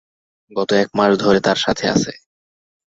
গত এক মাস ধরে তার সাথে আছে।